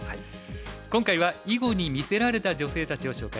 今回は「囲碁に魅せられた女性たち」を紹介します。